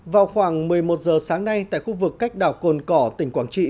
vào khoảng một mươi một giờ sáng nay tại khu vực cách đảo cồn cỏ tỉnh quảng trị